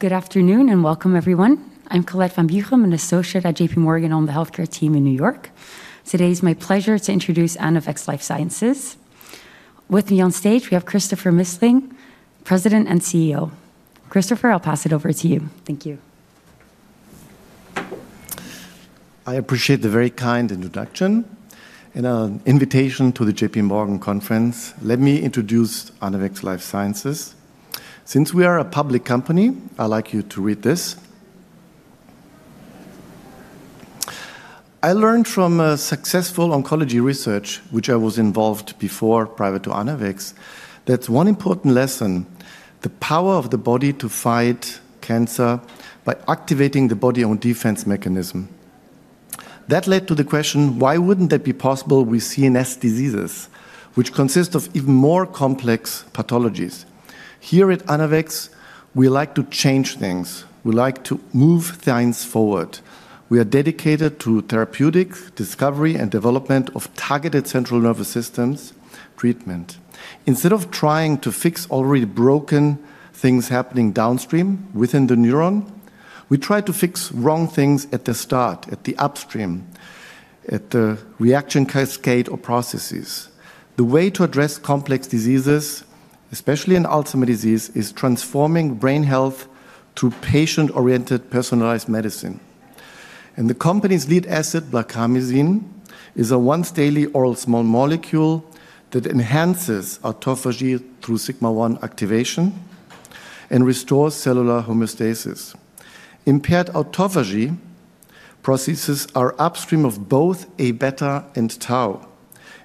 Good afternoon and welcome, everyone. I'm Colette van Buchem, an associate at JPMorgan on the healthcare team in New York. Today it's my pleasure to introduce Anavex Life Sciences. With me on stage, we have Christopher Missling, President and CEO. Christopher, I'll pass it over to you. Thank you. I appreciate the very kind introduction and an invitation to the J.P. Morgan conference. Let me introduce Anavex Life Sciences. Since we are a public company, I'd like you to read this. I learned from successful oncology research, which I was involved before prior to Anavex, that one important lesson: the power of the body to fight cancer by activating the body's own defense mechanism. That led to the question, why wouldn't it be possible with CNS diseases, which consist of even more complex pathologies? Here at Anavex, we like to change things. We like to move things forward. We are dedicated to therapeutic discovery and development of targeted central nervous systems treatment. Instead of trying to fix already broken things happening downstream within the neuron, we try to fix wrong things at the start, at the upstream at the reaction cascade or processes. The way to address complex diseases, especially in Alzheimer's disease, is transforming brain health to patient-oriented, personalized medicine, and the company's lead asset, blarcamesine, is a once-daily oral small molecule that enhances autophagy through sigma-1 activation and restores cellular homeostasis. Impaired autophagy processes are upstream of both A-beta and tau,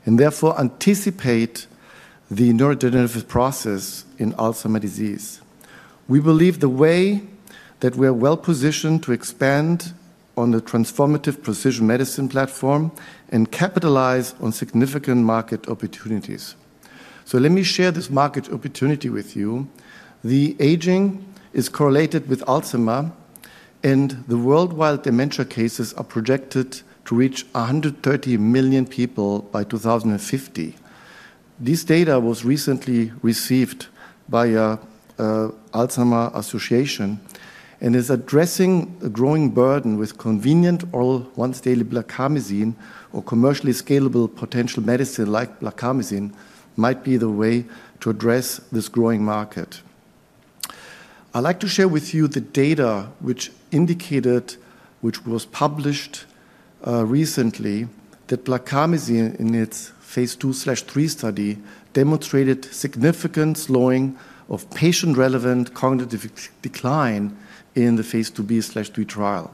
and therefore anticipate the neurodegenerative process in Alzheimer's disease. We believe the way that we are well positioned to expand on the transformative precision medicine platform and capitalize on significant market opportunities, so let me share this market opportunity with you. The aging is correlated with Alzheimer's, and the worldwide dementia cases are projected to reach 130 million people by 2050. This data was recently received by the Alzheimer's Association and is addressing a growing burden with convenient oral once-daily blarcamesine or commercially scalable potential medicine like blarcamesine might be the way to address this growing market. I'd like to share with you the data which indicated, which was published recently, that blarcamesine in its phase II/III study demonstrated significant slowing of patient-relevant cognitive decline in the phase IIb/III trial.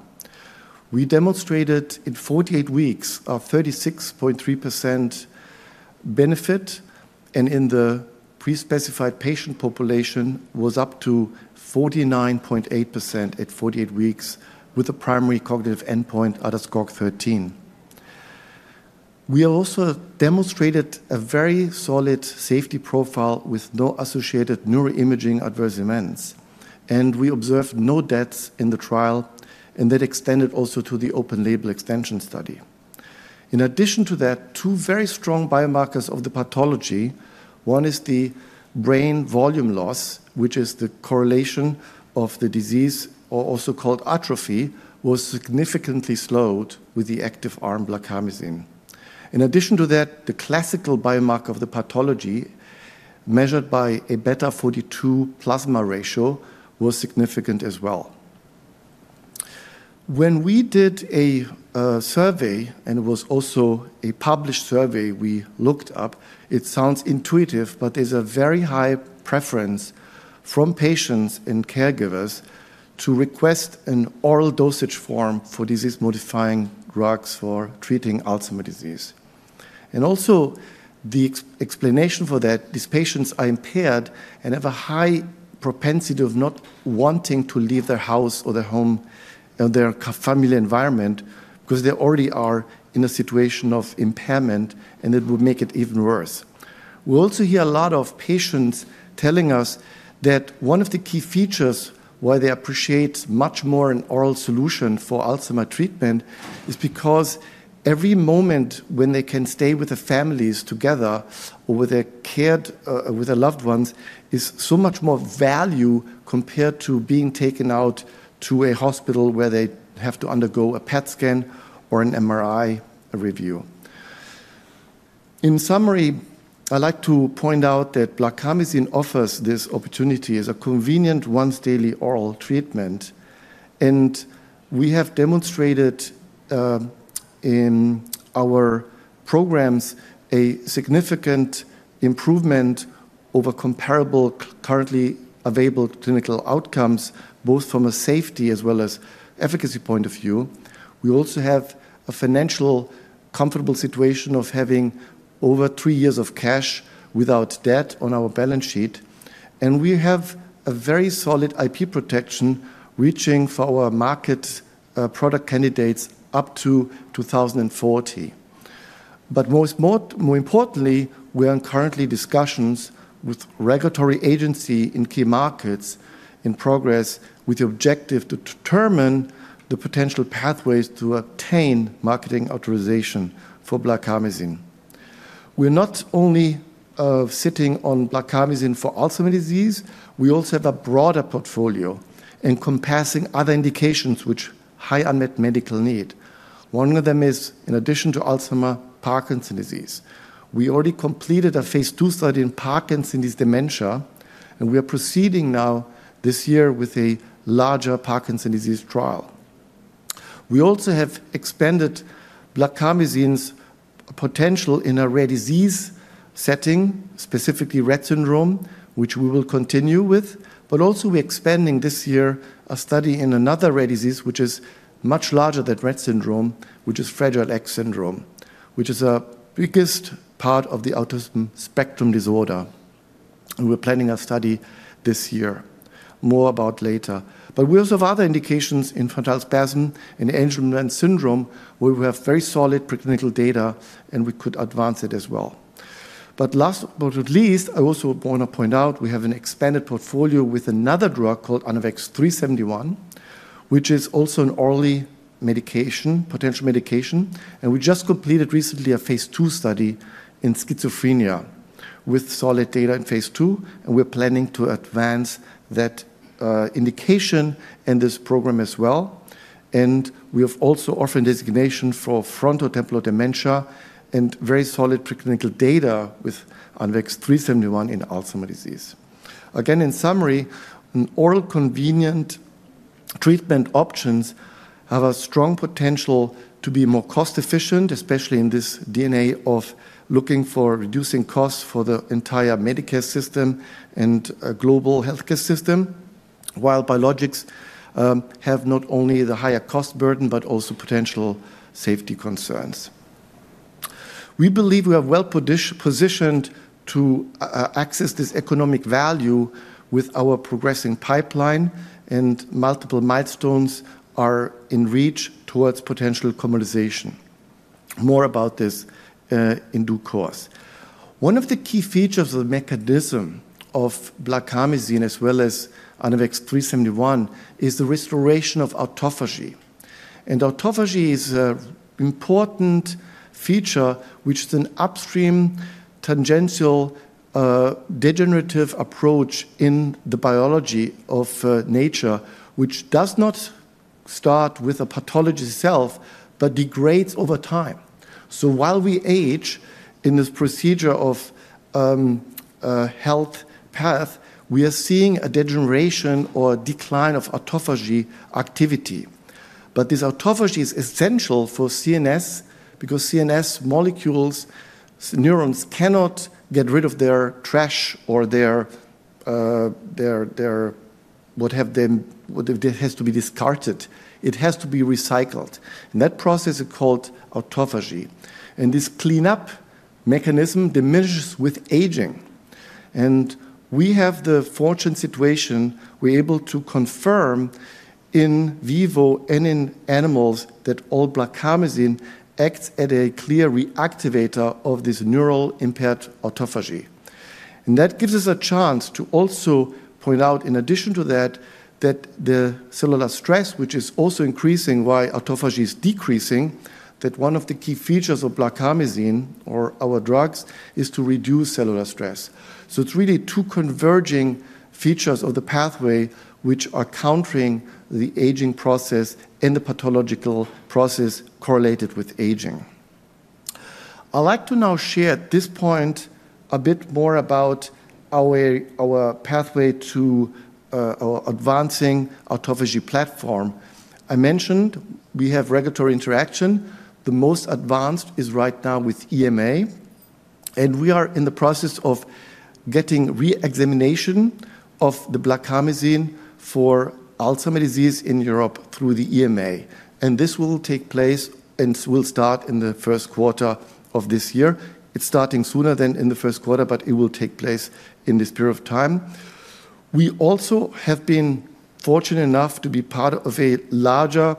We demonstrated in 48 weeks a 36.3% benefit and in the pre-specified patient population was up to 49.8% at 48 weeks with a primary cognitive endpoint at a score of 13. We also demonstrated a very solid safety profile with no associated neuroimaging adverse events, and we observed no deaths in the trial, and that extended also to the open-label extension study. In addition to that, two very strong biomarkers of the pathology, one is the brain volume loss, which is the correlation of the disease, also called atrophy, was significantly slowed with the active arm blarcamesine. In addition to that, the classical biomarker of the pathology measured by Aβ42 plasma ratio was significant as well. When we did a survey, and it was also a published survey we looked up, it sounds intuitive, but there's a very high preference from patients and caregivers to request an oral dosage form for disease-modifying drugs for treating Alzheimer's disease, and also the explanation for that, these patients are impaired and have a high propensity of not wanting to leave their house or their home or their family environment because they already are in a situation of impairment, and it will make it even worse. We also hear a lot of patients telling us that one of the key features why they appreciate much more an oral solution for Alzheimer's treatment is because every moment when they can stay with their families together or with their loved ones is so much more value compared to being taken out to a hospital where they have to undergo a PET scan or an MRI review. In summary, I'd like to point out that blarcamesine offers this opportunity as a convenient once-daily oral treatment, and we have demonstrated in our programs a significant improvement over comparable currently available clinical outcomes, both from a safety as well as efficacy point of view. We also have a financial comfortable situation of having over three years of cash without debt on our balance sheet, and we have a very solid IP protection reaching for our market product candidates up to 2040. But more importantly, we're currently in discussions with regulatory agencies in key markets in progress with the objective to determine the potential pathways to obtain marketing authorization for blarcamesine. We're not only sitting on blarcamesine for Alzheimer's disease, we also have a broader portfolio encompassing other indications which high unmet medical need. One of them is, in addition to Alzheimer's, Parkinson's disease. We already completed a phase II study in Parkinson's disease dementia, and we are proceeding now this year with a larger Parkinson's disease trial. We also have expanded blarcamesine's potential in a rare disease setting, specifically Rett syndrome, which we will continue with, but also we're expanding this year a study in another rare disease which is much larger than Rett syndrome, which is Fragile X syndrome, which is the biggest part of the autism spectrum disorder. We're planning a study this year, more about later. But we also have other indications in Infantile Spasms and Angelman syndrome where we have very solid preclinical data, and we could advance it as well. But last but not least, I also want to point out we have an expanded portfolio with another drug called Anavex 3-71, which is also an oral medication, potential medication, and we just completed recently a phase II study in schizophrenia with solid data in phase II, and we're planning to advance that indication and this program as well. And we have also orphan designation for frontotemporal dementia and very solid preclinical data with Anavex 3-71 in Alzheimer's disease. Again, in summary, oral convenient treatment options have a strong potential to be more cost-efficient, especially in this era of looking for reducing costs for the entire Medicare system and global healthcare system, while biologics have not only the higher cost burden but also potential safety concerns. We believe we are well positioned to access this economic value with our progressing pipeline, and multiple milestones are in reach towards potential commercialization. More about this in due course. One of the key features of the mechanism of blarcamesine as well as Anavex 3-71 is the restoration of autophagy. Autophagy is an important feature which is an upstream tangential neurodegenerative approach in the biology of neurodegeneration which does not start with the pathology itself but degrades over time. While we age in this process of health span, we are seeing a degeneration or decline of autophagy activity. But this autophagy is essential for CNS because CNS molecules, neurons cannot get rid of their trash or what has to be discarded. It has to be recycled. And that process is called autophagy. And this cleanup mechanism diminishes with aging. And we have the fortunate situation we're able to confirm in vivo and in animals that blarcamesine acts as a clear reactivator of this neural impaired autophagy. And that gives us a chance to also point out, in addition to that, that the cellular stress, which is also increasing while autophagy is decreasing, that one of the key features of blarcamesine or our drugs is to reduce cellular stress. So it's really two converging features of the pathway which are countering the aging process and the pathological process correlated with aging. I'd like to now share at this point a bit more about our pathway to advancing autophagy platform. I mentioned we have regulatory interaction. The most advanced is right now with EMA. We are in the process of getting re-examination of the blarcamesine for Alzheimer's disease in Europe through the EMA and this will take place and will start in the first quarter of this year. It's starting sooner than in the first quarter but it will take place in this period of time. We also have been fortunate enough to be part of a larger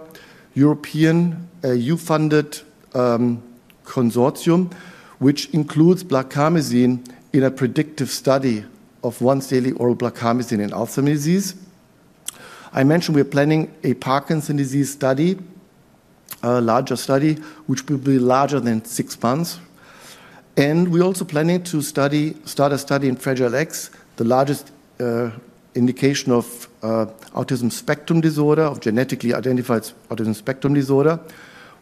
European EU-funded consortium which includes blarcamesine in a predictive study of once-daily oral blarcamesine in Alzheimer's disease. I mentioned we're planning a Parkinson's disease study, a larger study which will be larger than six months. And we're also planning to start a study in Fragile X, the largest indication of autism spectrum disorder, of genetically identified autism spectrum disorder,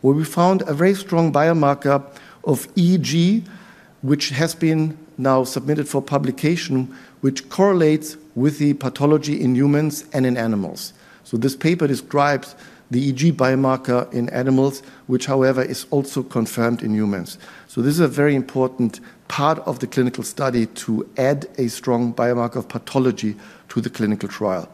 where we found a very strong biomarker of EEG, which has been now submitted for publication, which correlates with the pathology in humans and in animals. So this paper describes the EEG biomarker in animals, which, however, is also confirmed in humans. So this is a very important part of the clinical study to add a strong biomarker of pathology to the clinical trial.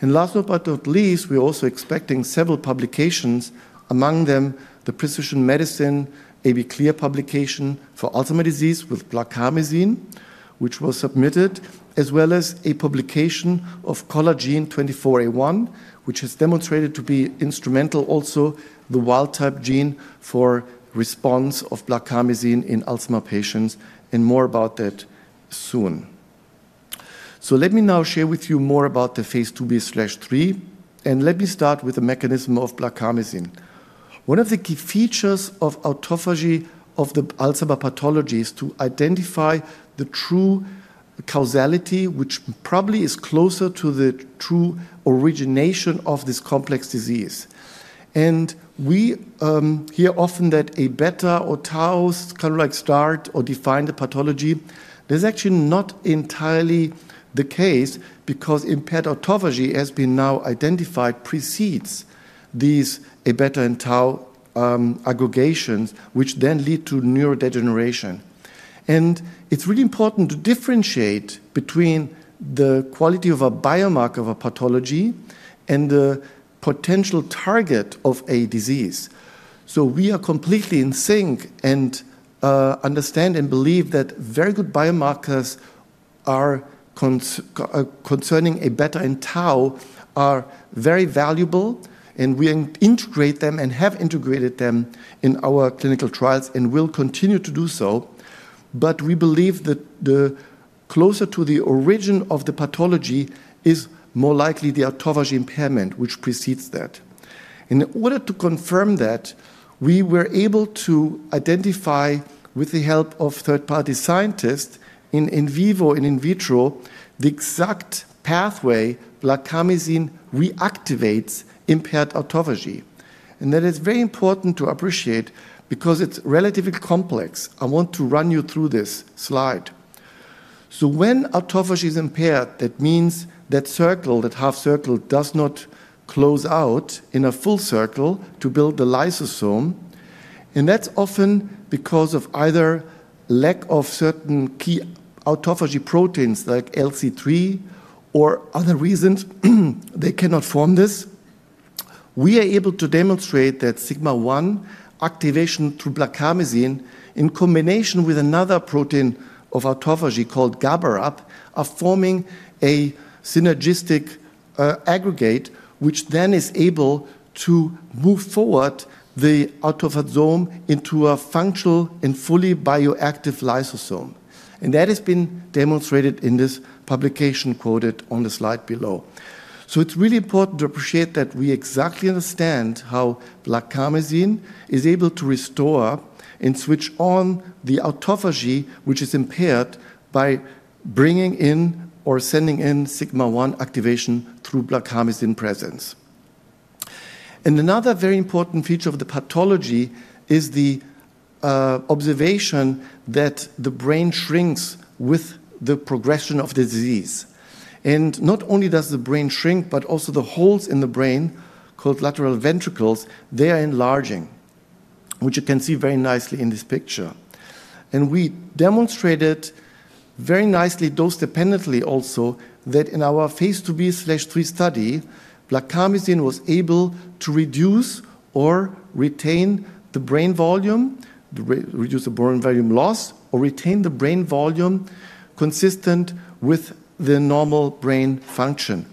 And last but not least, we're also expecting several publications, among them the Precision Medicine A-beta clearance publication for Alzheimer's disease with blarcamesine, which was submitted, as well as a publication of Colagen 24A1, which has demonstrated to be instrumental also the wild-type gene for response of blarcamesine in Alzheimer's patients, and more about that soon. So let me now share with you more about the phase IIb/III, and let me start with the mechanism of blarcamesine. One of the key features of autophagy of the Alzheimer's pathology is to identify the true causality, which probably is closer to the true origination of this complex disease. And we hear often that A-beta or tau skeletal-like start or defined pathology, that's actually not entirely the case because impaired autophagy has been now identified precedes these A-beta and tau aggregations, which then lead to neurodegeneration. And it's really important to differentiate between the quality of a biomarker of a pathology and the potential target of a disease. So we are completely in sync and understand and believe that very good biomarkers concerning A-beta and tau are very valuable, and we integrate them and have integrated them in our clinical trials and will continue to do so. But we believe that the closer to the origin of the pathology is more likely the autophagy impairment which precedes that. In order to confirm that, we were able to identify with the help of third-party scientists in vivo and in vitro the exact pathway blarcamesine reactivates impaired autophagy. And that is very important to appreciate because it's relatively complex. I want to run you through this slide. So when autophagy is impaired, that means that circle, that half-circle does not close out in a full circle to build the lysosome, and that's often because of either lack of certain key autophagy proteins like LC3 or other reasons they cannot form this. We are able to demonstrate that sigma-1 activation through blarcamesine in combination with another protein of autophagy called GABARAP are forming a synergistic aggregate which then is able to move forward the autophagosome into a functional and fully bioactive lysosome. And that has been demonstrated in this publication quoted on the slide below. So it's really important to appreciate that we exactly understand how blarcamesine is able to restore and switch on the autophagy which is impaired by bringing in or sending in sigma-1 activation through blarcamesine presence. And another very important feature of the pathology is the observation that the brain shrinks with the progression of the disease. And not only does the brain shrink, but also the holes in the brain called lateral ventricles, they are enlarging, which you can see very nicely in this picture. We demonstrated very nicely dose-dependently also that in our phase IIb/III study, blarcamesine was able to reduce or retain the brain volume, reduce the brain volume loss or retain the brain volume consistent with the normal brain function.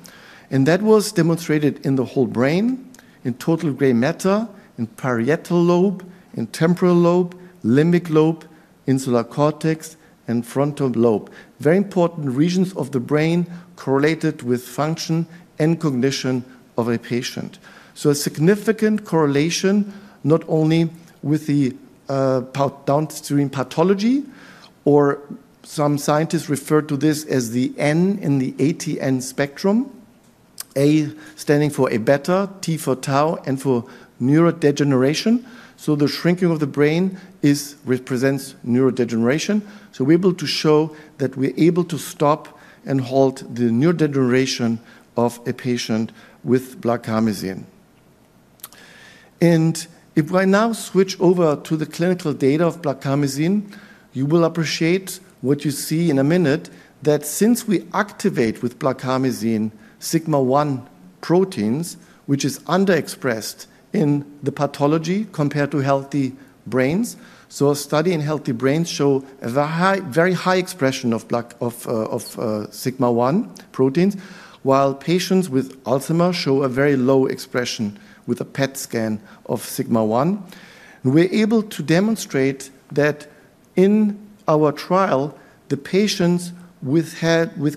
That was demonstrated in the whole brain, in total gray matter, in parietal lobe, in temporal lobe, limbic lobe, insular cortex, and frontal lobe. Very important regions of the brain correlated with function and cognition of a patient. A significant correlation not only with the downstream pathology or some scientists refer to this as the N in the ATN spectrum, A standing for A-beta, T for tau, and for neurodegeneration. The shrinking of the brain represents neurodegeneration. We're able to show that we're able to stop and halt the neurodegeneration of a patient with blarcamesine. If I now switch over to the clinical data of blarcamesine, you will appreciate what you see in a minute that since we activate with blarcamesine sigma-1 proteins, which is underexpressed in the pathology compared to healthy brains. A study in healthy brains shows a very high expression of sigma-1 proteins, while patients with Alzheimer's show a very low expression with a PET scan of sigma-1. We're able to demonstrate that in our trial, the patients who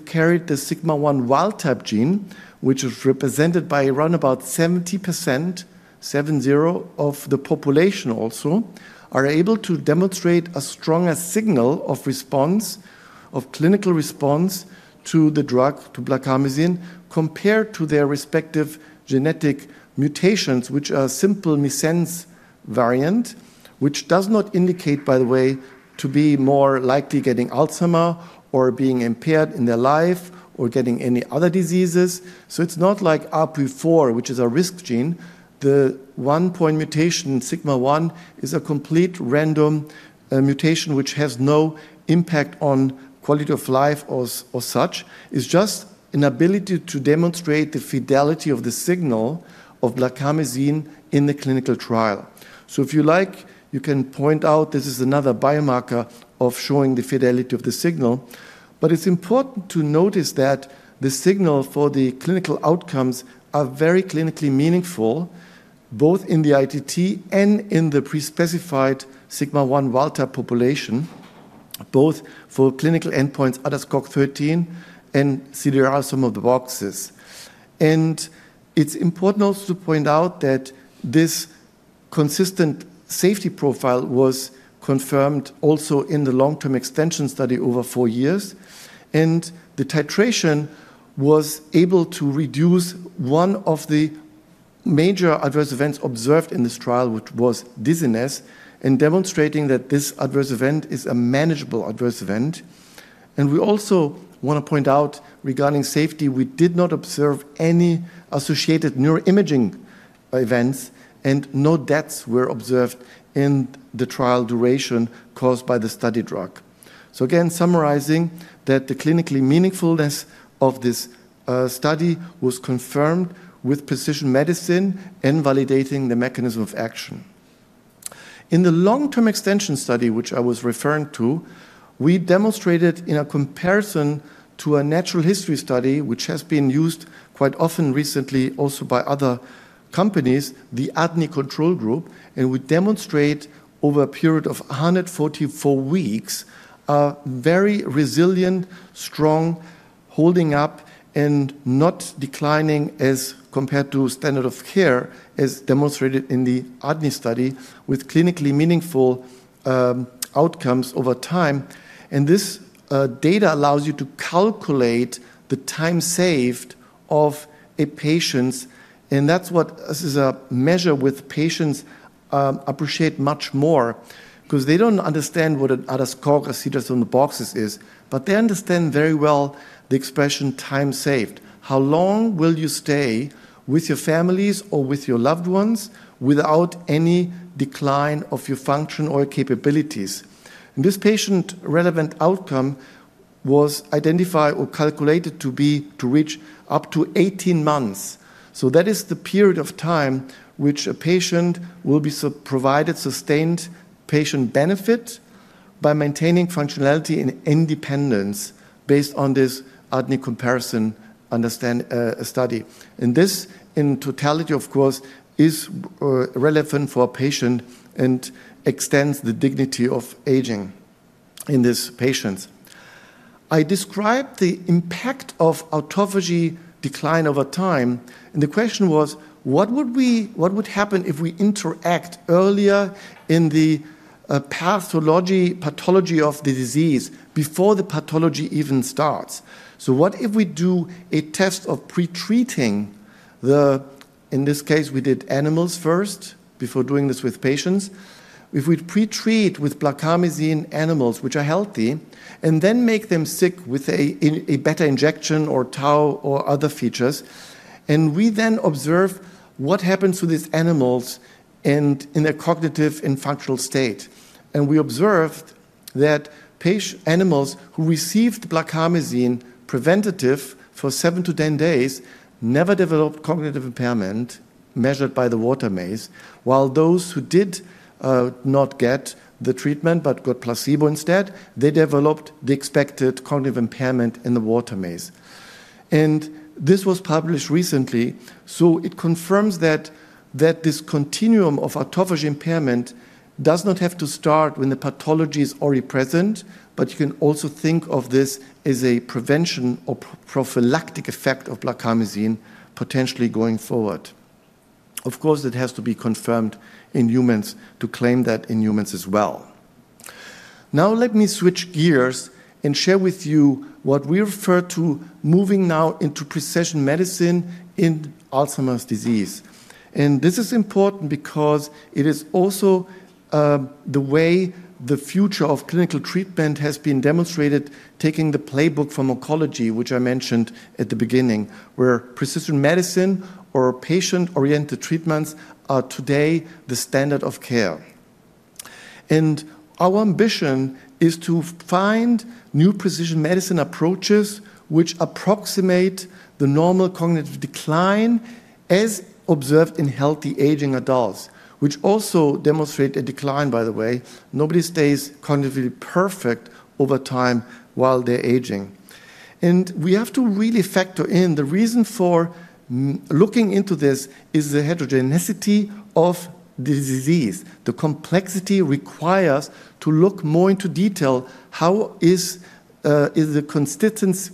carried the sigma-1 wild-type gene, which is represented by around about 70%, 7-0, of the population also, are able to demonstrate a stronger signal of response, of clinical response to the drug, to blarcamesine, compared to their respective genetic mutations, which are simple missense variant, which does not indicate, by the way, to be more likely getting Alzheimer's or being impaired in their life or getting any other diseases. It's not like APOE4, which is a risk gene. The one-point mutation sigma-1 is a complete random mutation which has no impact on quality of life or such. It's just an ability to demonstrate the fidelity of the signal of blarcamesine in the clinical trial. So if you like, you can point out this is another biomarker of showing the fidelity of the signal. But it's important to notice that the signal for the clinical outcomes are very clinically meaningful, both in the ITT and in the pre-specified sigma-1 wild-type population, both for clinical endpoints ADAS-Cog13 and CDR-SB sum of the boxes. And it's important also to point out that this consistent safety profile was confirmed also in the long-term extension study over four years. The titration was able to reduce one of the major adverse events observed in this trial, which was dizziness, and demonstrating that this adverse event is a manageable adverse event. We also want to point out regarding safety, we did not observe any associated neuroimaging events and no deaths were observed in the trial duration caused by the study drug. Again, summarizing that the clinically meaningfulness of this study was confirmed with Precision Medicine and validating the mechanism of action. In the long-term extension study, which I was referring to, we demonstrated in a comparison to a natural history study, which has been used quite often recently also by other companies, the ADNI control group, and we demonstrate over a period of 144 weeks a very resilient, strong holding up and not declining as compared to standard of care as demonstrated in the ADNI study with clinically meaningful outcomes over time, and this data allows you to calculate the time saved of a patient's, and that's what this is a measure with patients appreciate much more because they don't understand what an ADAS-Cog13, CDR-SB sum of the boxes is, but they understand very well the expression time saved. How long will you stay with your families or with your loved ones without any decline of your function or capabilities? This patient-relevant outcome was identified or calculated to reach up to 18 months. That is the period of time which a patient will be provided sustained patient benefit by maintaining functionality and independence based on this ADNI comparison study. This in totality, of course, is relevant for a patient and extends the dignity of aging in these patients. I described the impact of autophagy decline over time, and the question was, what would happen if we interact earlier in the pathology of the disease before the pathology even starts? What if we do a test of pretreating the, in this case, we did animals first before doing this with patients. If we pretreat with blarcamesine animals, which are healthy, and then make them sick with a beta injection or tau or other features, and we then observe what happens to these animals in their cognitive and functional state, and we observed that animals who received blarcamesine preventative for seven to 10 days never developed cognitive impairment measured by the water maze, while those who did not get the treatment but got placebo instead, they developed the expected cognitive impairment in the water maze, and this was published recently, so it confirms that this continuum of autophagy impairment does not have to start when the pathology is already present, but you can also think of this as a prevention or prophylactic effect of blarcamesine potentially going forward. Of course, it has to be confirmed in humans to claim that in humans as well. Now let me switch gears and share with you what we refer to moving now into Precision Medicine in Alzheimer's disease. And this is important because it is also the way the future of clinical treatment has been demonstrated, taking the playbook from oncology, which I mentioned at the beginning, where Precision Medicine or patient-oriented treatments are today the standard of care. And our ambition is to find new Precision Medicine approaches which approximate the normal cognitive decline as observed in healthy aging adults, which also demonstrate a decline, by the way. Nobody stays cognitively perfect over time while they're aging. And we have to really factor in the reason for looking into this is the heterogeneity of the disease. The complexity requires to look more into detail how is the constituents,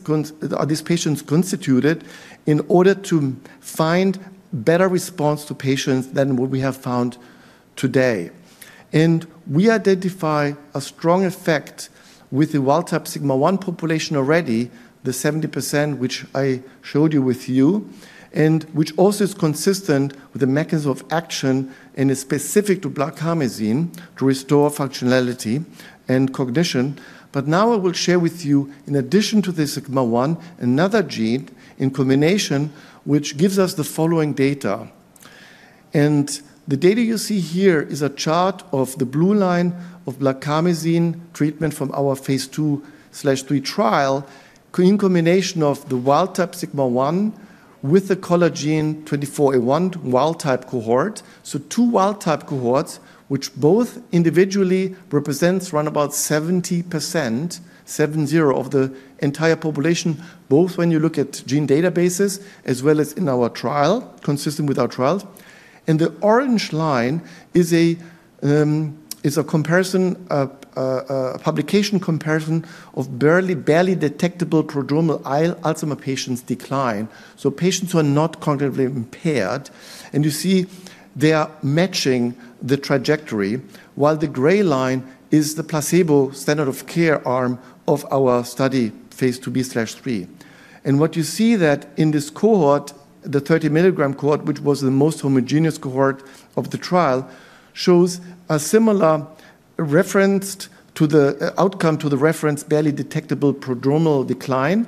are these patients constituted in order to find better response to patients than what we have found today. We identify a strong effect with the wild-type sigma-1 population already, the 70%, which I showed you with you, and which also is consistent with the mechanism of action and is specific to blarcamesine to restore functionality and cognition. But now I will share with you, in addition to the sigma-1, another gene in combination which gives us the following data. The data you see here is a chart of the blue line of blarcamesine treatment from our phase II/III trial in combination of the wild-type sigma-1 with the COL24A1 wild-type cohort. So two wild-type cohorts which both individually represents around about 70%, 7-0, of the entire population, both when you look at gene databases as well as in our trial, consistent with our trials. The orange line is a comparison, a publication comparison of barely detectable prodromal mild Alzheimer's patients' decline. So patients who are not cognitively impaired, and you see they are matching the trajectory, while the gray line is the placebo standard of care arm of our study phase IIb/III. And what you see that in this cohort, the 30 mg cohort, which was the most homogeneous cohort of the trial, shows a similar reference to the outcome to the reference barely detectable prodromal decline.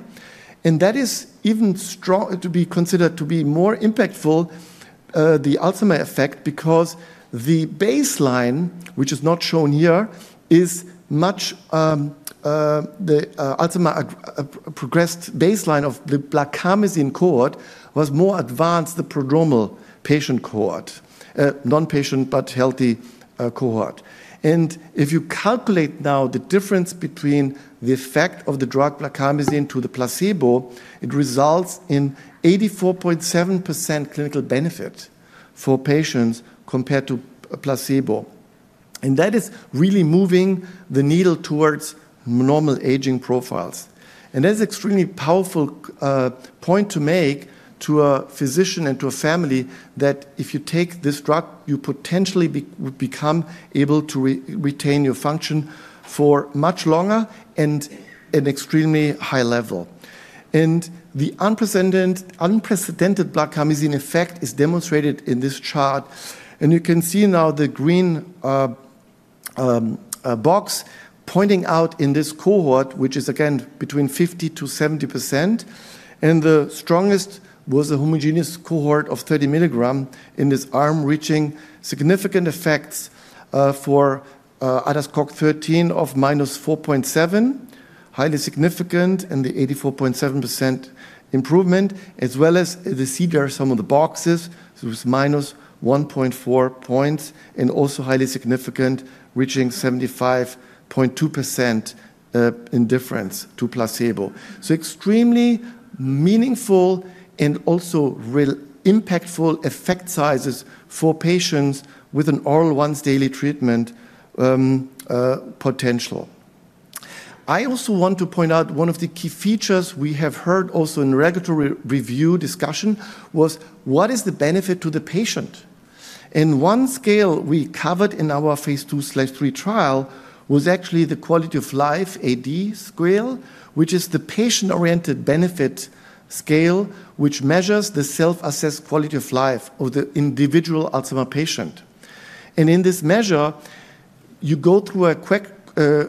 And that is even strong to be considered to be more impactful, the Alzheimer's effect, because the baseline, which is not shown here, is much the Alzheimer's progressed baseline of the blarcamesine cohort was more advanced, the prodromal patient cohort, non-patient but healthy cohort. And if you calculate now the difference between the effect of the drug blarcamesine to the placebo, it results in 84.7% clinical benefit for patients compared to placebo. And that is really moving the needle towards normal aging profiles. That's an extremely powerful point to make to a physician and to a family that if you take this drug, you potentially would become able to retain your function for much longer and at an extremely high level. The unprecedented blarcamesine effect is demonstrated in this chart. You can see now the green box pointing out in this cohort, which is again between 50% to 70%. The strongest was a homogeneous cohort of 30 mg in this arm reaching significant effects for ADAS-Cog13 of -4.7, highly significant and the 84.7% improvement, as well as the CDR-SB sum of the boxes was -1.4 points and also highly significant reaching 75.2% in difference to placebo. So extremely meaningful and also real impactful effect sizes for patients with an oral once daily treatment potential. I also want to point out one of the key features we have heard also in regulatory review discussion was what is the benefit to the patient. And one scale we covered in our phase II/III trial was actually the quality of life AD scale, which is the patient-oriented benefit scale which measures the self-assessed quality of life of the individual Alzheimer's patient. In this measure, you go through a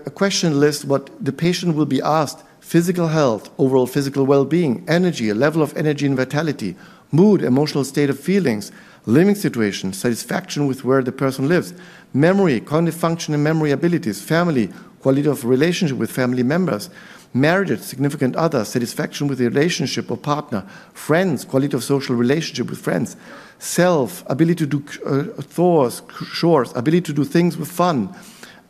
question list, what the patient will be asked, physical health, overall physical well-being, energy, level of energy and vitality, mood, emotional state of feelings, living situation, satisfaction with where the person lives, memory, cognitive function and memory abilities, family, quality of relationship with family members, marriage, significant other, satisfaction with the relationship or partner, friends, quality of social relationship with friends, self, ability to do chores, ability to do things with fun,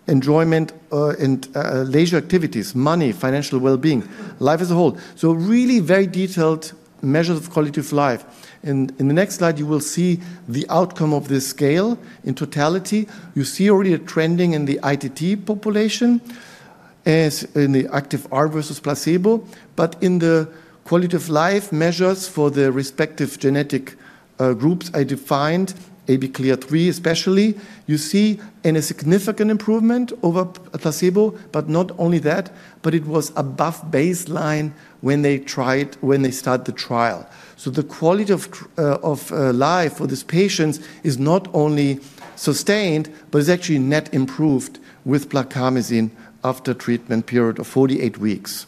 enjoyment and leisure activities, money, financial well-being, life as a whole so really a very detailed measures of quality of life. In the next slide, you will see the outcome of this scale in totality. You see already a trending in the ITT population as in the active R versus placebo. But in the quality of life measures for the respective genetic groups I defined, APOE3 especially, you see a significant improvement over placebo. But not only that, but it was above baseline when they tried, when they started the trial. So the quality of life for these patients is not only sustained, but is actually net improved with blarcamesine after treatment period of 48 weeks.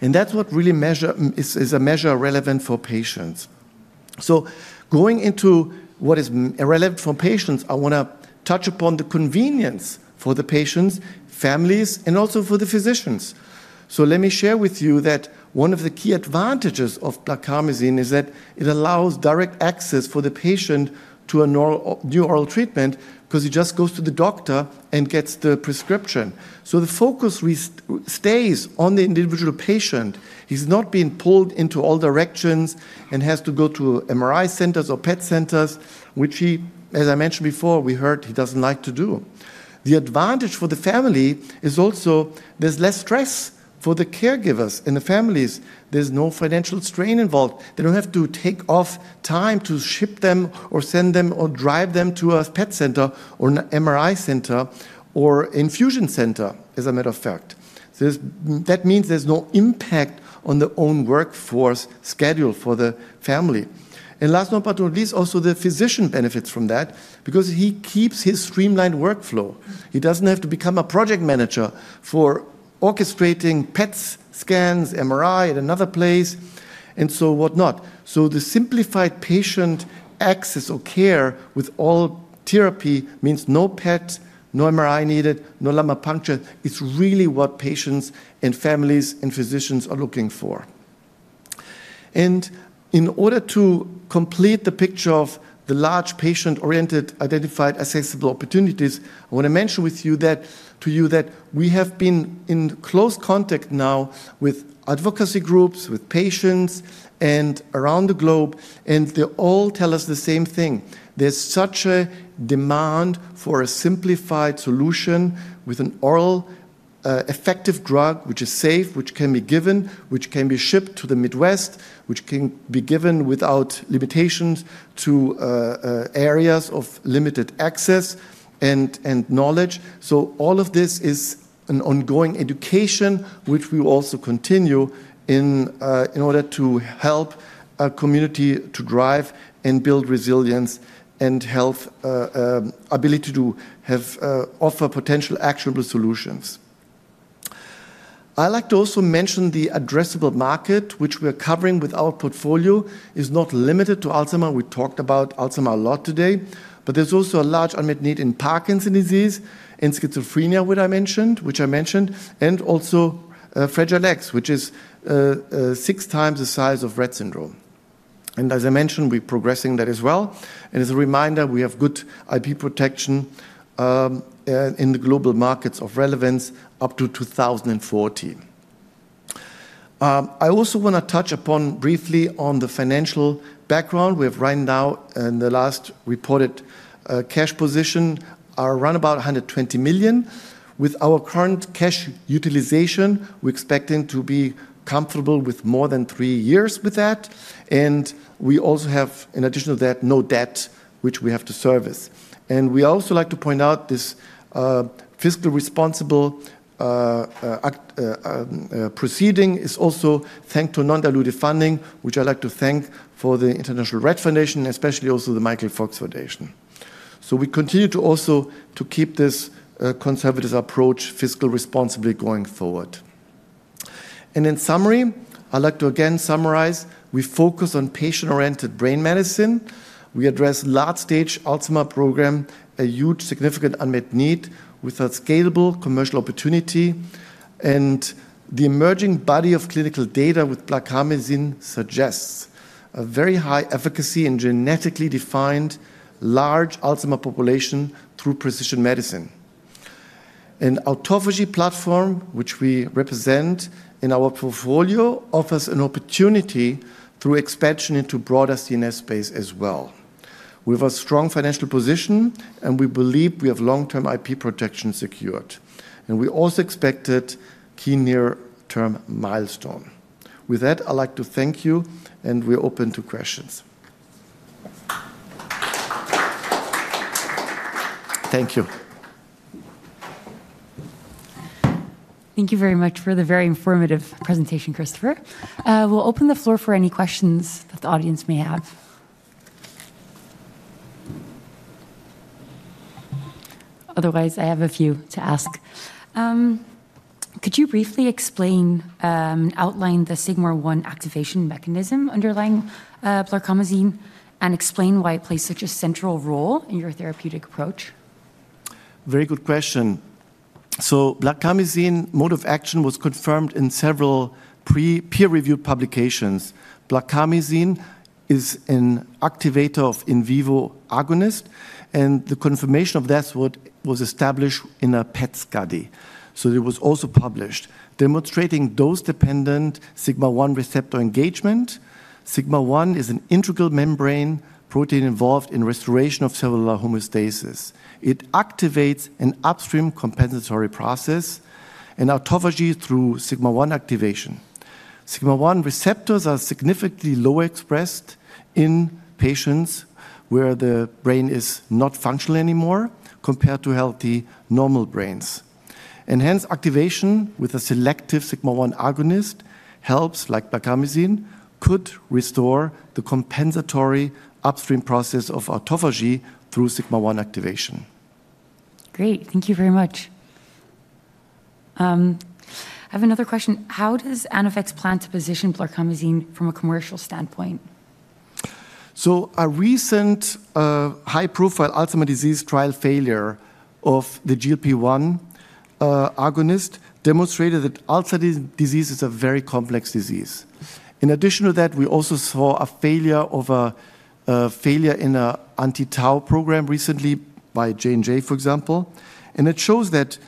And that's what really matters, a measure relevant for patients. So going into what is relevant for patients, I want to touch upon the convenience for the patients, families, and also for the physicians. So let me share with you that one of the key advantages of blarcamesine is that it allows direct access for the patient to a new oral treatment because he just goes to the doctor and gets the prescription. So the focus stays on the individual patient. He's not being pulled into all directions and has to go to MRI centers or PET centers, which he, as I mentioned before, we heard he doesn't like to do. The advantage for the family is also there's less stress for the caregivers and the families. There's no financial strain involved. They don't have to take off time to ship them or send them or drive them to a PET center or an MRI center or infusion center, as a matter of fact. That means there's no impact on the own workforce schedule for the family. And last but not least, also the physician benefits from that because he keeps his streamlined workflow. He doesn't have to become a project manager for orchestrating PET scans, MRI at another place, and so whatnot. So the simplified patient access or care with all therapy means no PET, no MRI needed, no lumbar puncture. It's really what patients and families and physicians are looking for. And in order to complete the picture of the large patient-oriented identified accessible opportunities, I want to mention with you that we have been in close contact now with advocacy groups, with patients and around the globe, and they all tell us the same thing. There's such a demand for a simplified solution with an oral effective drug, which is safe, which can be given, which can be shipped to the Midwest, which can be given without limitations to areas of limited access and knowledge. So all of this is an ongoing education, which we will also continue in order to help a community to drive and build resilience and health ability to offer potential actionable solutions. I'd like to also mention the addressable market, which we are covering with our portfolio, is not limited to Alzheimer's. We talked about Alzheimer's a lot today, but there's also a large unmet need in Parkinson's disease and schizophrenia, which I mentioned, and also Fragile X, which is six times the size of Rett syndrome. And as I mentioned, we're progressing that as well. And as a reminder, we have good IP protection in the global markets of relevance up to 2040. I also want to touch upon briefly on the financial background. We have right now in the last reported cash position around about $120 million. With our current cash utilization, we're expecting to be comfortable with more than three years with that. And we also have, in addition to that, no debt, which we have to service. We also like to point out this fiscally responsible proceeding is also thanks to non-dilutive funding, which I'd like to thank the International Rett Foundation for, especially also the Michael Fox Foundation. We continue to also keep this conservative approach, fiscally responsibly going forward. In summary, I'd like to again summarize. We focus on patient-oriented brain medicine. We address late-stage Alzheimer's program, a huge significant unmet need with a scalable commercial opportunity. The emerging body of clinical data with blarcamesine suggests a very high efficacy in genetically defined large Alzheimer's population through Precision Medicine. Our autophagy platform, which we represent in our portfolio, offers an opportunity through expansion into broader CNS space as well. We have a strong financial position, and we believe we have long-term IP protection secured. We also expect key near-term milestone. With that, I'd like to thank you, and we're open to questions. Thank you. Thank you very much for the very informative presentation, Christopher. We'll open the floor for any questions that the audience may have. Otherwise, I have a few to ask. Could you briefly explain, outline the sigma-1 activation mechanism underlying blarcamesine and explain why it plays such a central role in your therapeutic approach? Very good question. So blarcamesine mode of action was confirmed in several peer-reviewed publications. Blarcamesine is an activator of in vivo agonist, and the confirmation of that was established in a PET study. So it was also published, demonstrating dose-dependent sigma-1 receptor engagement. Sigma-1 is an integral membrane protein involved in restoration of cellular homeostasis. It activates an upstream compensatory process and autophagy through sigma-1 activation. Sigma-1 receptors are significantly lower expressed in patients where the brain is not functional anymore compared to healthy normal brains. And hence, activation with a selective sigma-1 agonist helps, like blarcamesine, could restore the compensatory upstream process of autophagy through sigma-1 activation. Great. Thank you very much. I have another question. How does Anavex plan to position blarcamesine from a commercial standpoint? So a recent high-profile Alzheimer's disease trial failure of the GLP-1 agonist demonstrated that Alzheimer's disease is a very complex disease. In addition to that, we also saw a failure of a failure in an anti-Tau program recently by J&J, for example. And it shows that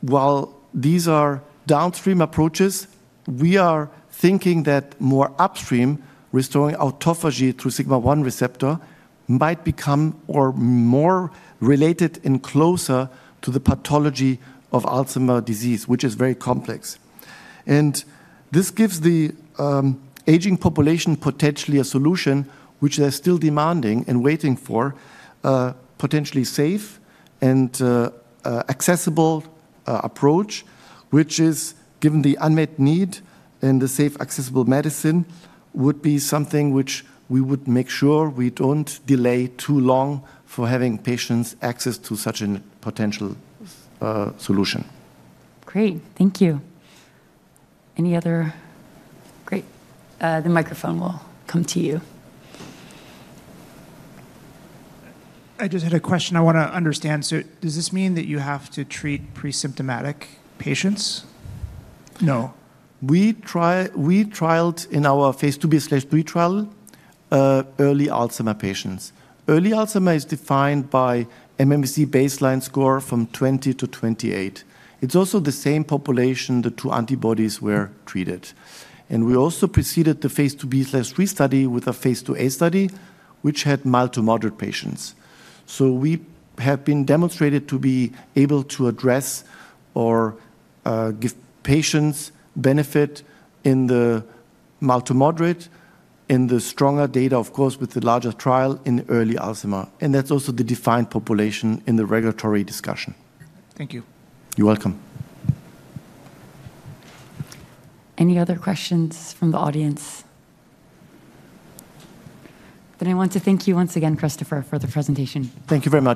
while these are downstream approaches, we are thinking that more upstream restoring autophagy through sigma-1 receptor might become more related and closer to the pathology of Alzheimer's disease, which is very complex. This gives the aging population potentially a solution, which they're still demanding and waiting for, potentially safe and accessible approach, which is, given the unmet need and the safe accessible medicine, would be something which we would make sure we don't delay too long for having patients access to such a potential solution. Great. Thank you. Any other? Great. The microphone will come to you. I just had a question I want to understand. So does this mean that you have to treat pre-symptomatic patients, no? We trialed in our phase IIb/III trial early Alzheimer's patients. Early Alzheimer's is defined by MMSE baseline score from 20 to 28. It's also the same population the two antibodies were treated. And we also preceded the phase IIb/III study with a phase IIa study, which had mild to moderate patients. So we have been demonstrated to be able to address or give patients benefit in the mild to moderate and the stronger data, of course, with the larger trial in early Alzheimer's. And that's also the defined population in the regulatory discussion. Thank you. You're welcome. Any other questions from the audience? Then I want to thank you once again, Christopher, for the presentation. Thank you very much.